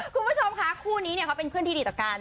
คุณผู้ชมค่ะคู่นี้เขาเป็นเพื่อนที่ดีต่อกัน